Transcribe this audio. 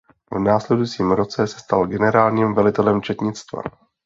V následujícím roce se stal generálním velitelem četnictva.